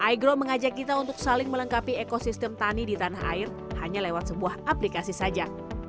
igrow mengajak kita untuk saling melengkapi ekosistem tani di tanah air hanya lewat sebuah aplikasi saja